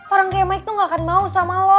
orang kaya mike tuh gak akan mau sama lu